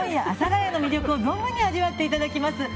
阿佐ヶ谷の魅力を存分に味わっていただきます。